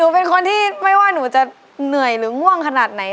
เป็นคนที่ไม่ว่าหนูจะเหนื่อยหรือง่วงขนาดไหน